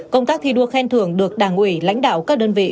công tác thi đua khen thưởng được đảng ủy lãnh đạo các đơn vị